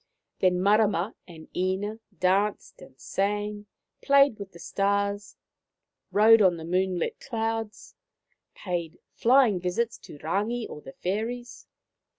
Then Marama and Ina danced and sang, played with the stars, rode on the moonlit clouds, paid flying visits to Rangi or the fairies.